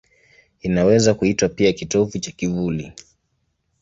Inaweza kuitwa pia kitovu cha kivuli.